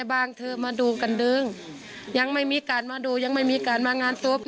บางทีมาดูกันดึงยังไม่มีการมาดูยังไม่มีการมางานศพ